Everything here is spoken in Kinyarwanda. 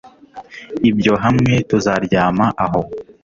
Ibyo hamwe tuzaryama aho